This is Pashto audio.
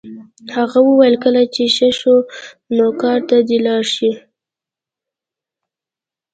هغه وویل کله چې ښه شو نو کار ته دې لاړ شي